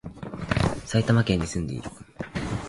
埼玉県に、住んでいる